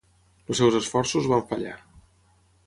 Els seus esforços van fallar.